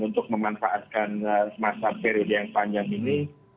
untuk memanfaatkan masa periode yang panjang ini